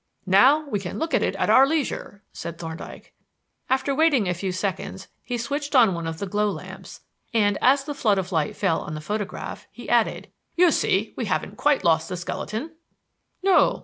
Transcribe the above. "Now we can look at it at our leisure," said Thorndyke. After waiting a few seconds, he switched on one of the glow lamps, and as the flood of light fell on the photograph, he added: "You see we haven't quite lost the skeleton." "No."